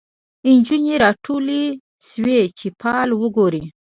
نجونې راټولي شوی چي فال وګوري